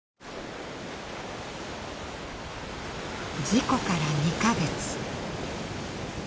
事故から２カ月。